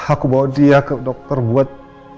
aku bawa dia ke dokter buat